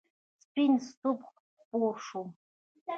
سپین صبح خپور شو.